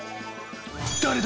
誰だ？